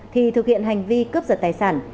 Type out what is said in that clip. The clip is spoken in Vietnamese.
thì thực hiện hành vi cướp giật tài sản